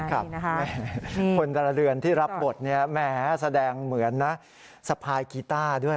ครับคนตลาดเรือนที่รับบทนี้แม้แสดงเหมือนสะพายกีต้าด้วย